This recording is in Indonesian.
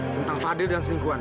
tentang fadil dan seningkuan